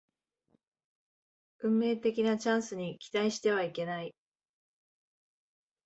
運命的なチャンスに期待してはいけない